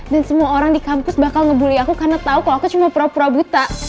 dan semua orang di kampus bakal ngebully aku karena tau kalau aku cuma pura pura buta